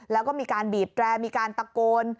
แล้วก็มีการบีบแตรมีการตะโกน